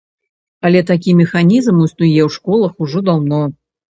Але такі механізм існуе ў школах ужо даўно.